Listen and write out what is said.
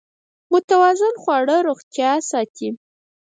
متوازن خواړه روغتیا ساتي.